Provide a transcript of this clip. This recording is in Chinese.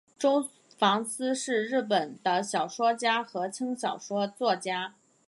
周防司是日本的小说家和轻小说作家。